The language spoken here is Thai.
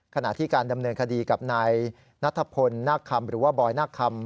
ขณะที่การดำเนินคดีกับนายนัทพลนาคคำหรือว่าบอยนาคคำ